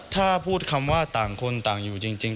ถ้าพูดคำว่าต่างคนต่างอยู่จริง